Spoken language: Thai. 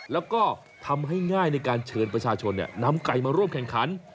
แล้วก็ทำให้ง่ายในการเชิญประชาชนนำไก่มาร่วมแข่งขัน